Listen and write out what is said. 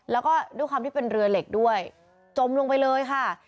แล้วก็ด้วยความที่เป็นเรือเหล็กด้วยจมลงไปเลยค่ะ